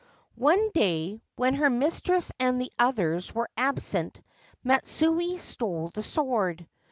One day, when her mistress and the others were absent, Matsue stole the sword.